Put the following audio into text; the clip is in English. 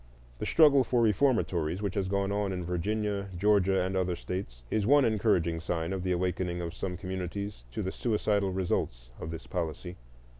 The struggle for reformatories, which has gone on in Virginia, Georgia, and other States, is the one encouraging sign of the awakening of some communities to the suicidal results of this policy.